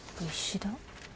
石田。